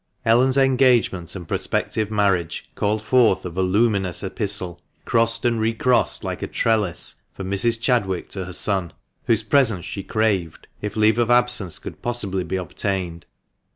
Ellen's engagement and prospective marriage called forth a voluminous epistle, crossed and recrossed like a trellis, from Mrs. Chadwick to her son, whose presence she craved, if leave of absence could possibly be obtained.